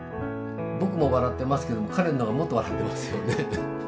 僕も笑ってますけども彼の方はもっと笑ってますよね。